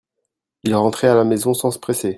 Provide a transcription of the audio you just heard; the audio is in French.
il rentrait à la maison sans se presser.